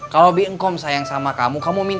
kalau kerja teh yang rajin